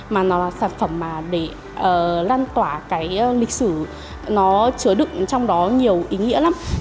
mà nó là sản phẩm mà để lan tỏa cái lịch sử nó chứa đựng trong đó nhiều ý nghĩa lắm